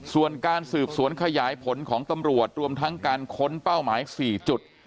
ส่วนการสืบสวนขยายผลของตำรวจรวมทั้งการค้นเป้าหมาย๔จุด